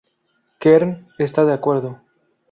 Kern está de acuerdo.